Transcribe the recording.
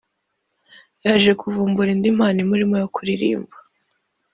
yaje kuvumbura indi mpano imurimo yo kuririmba